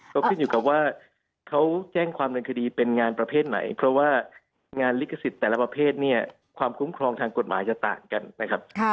ก็ขึ้นอยู่กับว่าเขาแจ้งความเดินคดีเป็นงานประเภทไหนเพราะว่างานลิขสิทธิ์แต่ละประเภทเนี่ยความคุ้มครองทางกฎหมายจะต่างกันนะครับ